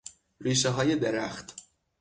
ریشههای درخت